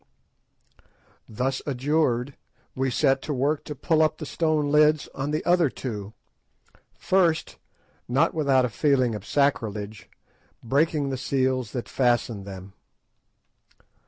Thus adjured, we set to work to pull up the stone lids on the other two, first—not without a feeling of sacrilege—breaking the seals that fastened them.